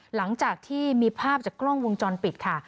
หลังจากที่มีภาพจากกล้องวงจรปิดค่ะ